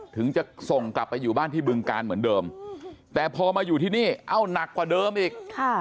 ถึงจะส่งกลับไปอยู่บ้านที่บึงการเหมือนเดิมแต่พอมาอยู่ที่นี่เอ้าหนักกว่าเดิมอีก